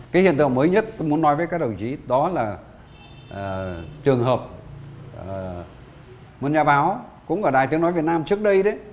cái hiện tượng mới nhất tôi muốn nói với các đồng chí đó là trường hợp một nhà báo cũng ở đài tiếng nói việt nam trước đây đấy